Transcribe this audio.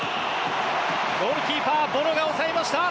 ゴールキーパー、ボノが抑えました。